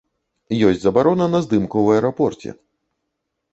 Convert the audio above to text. Ёсць забарона на здымку ў аэрапорце.